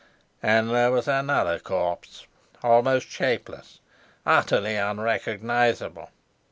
And there was another corpse, almost shapeless, utterly unrecognizable.